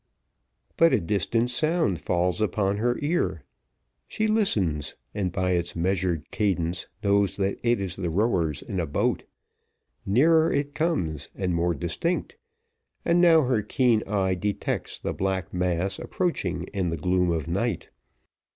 But a distant sound falls upon her ear; she listens, and by its measured cadence knows that it is the rowers in a boat: nearer it comes and more distinct, and now her keen eye detects the black mass approaching in the gloom of night.